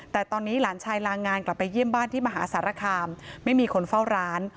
แต่ตอนนี้หลานชายลางานกลับไปเยี่ยมบ้านที่มหาสารคามไม่มีคนเฝ้าร้าน